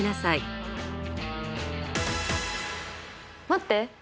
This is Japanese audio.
待って！